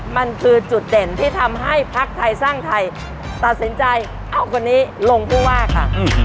มันคือจุดเด่นที่ทำให้ภักดิ์ไทยสร้างไทยตัดสินใจเอาคนนี้ลงผู้ว่าค่ะ